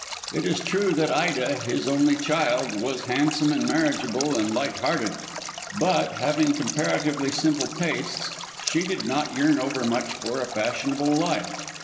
It is true that Ida, his only child, was handsome and marriageable and light hearted; but, having comparatively simple tastes, she did not yearn over much for a fashionable life.